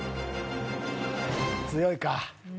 強いか。